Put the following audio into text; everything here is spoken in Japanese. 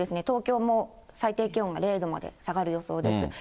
東京も最低気温が０度まで下がる予想です。